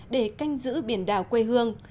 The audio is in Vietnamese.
để canh giữ biển đào quê hương